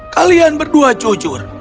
kalian berdua jujur